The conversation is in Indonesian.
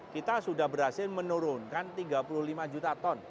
kita sudah berhasil menurunkan tiga puluh lima juta ton